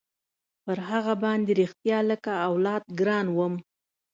پر هغه باندې رښتيا لكه اولاد ګران وم.